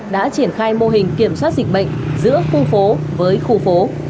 đã triển khai mô hình kiểm soát dịch bệnh giữa khu phố với khu phố